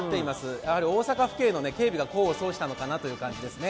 やはり大阪府警の警備が功を奏したのかなという感じですね。